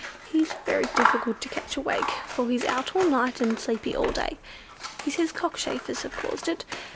He's very difficult to catch awake; for he's out all night and sleepy all day. He says cockchafers have caused it.